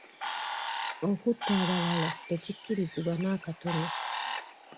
Okutta abalala tekikkirizibwa nakatono.